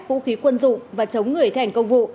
vũ khí quân dụng và chống người thành công vụ